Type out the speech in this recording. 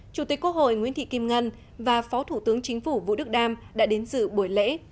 chủ tịch quốc hội nguyễn thị kim ngân và phó thủ tướng chính phủ vũ đức đam đã đến dự buổi lễ